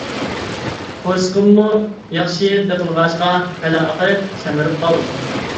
قورسىقىممۇ ياخشى بېقىلغاچقا خېلى ئاقىرىپ، سەمرىپ قالدىم.